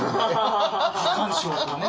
過干渉とね。